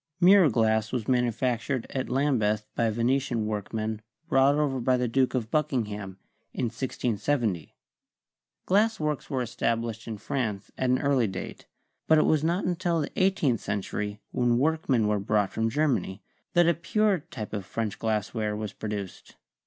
Mirror glass was manu factured at Lambeth by Venetian workmen brought over by the Duke of Buckingham in 1670. Glass works were established in France at an early date, but it was not un til the eighteenth century, when workmen were brought from Germany, that a pure kind of French glass ware was produced.